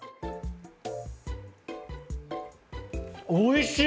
おいしい！